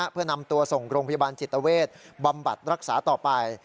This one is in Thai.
เพื่อนำตัวส่งโรงพยาบาลจิตเวทบำบัดรักษาต่อไป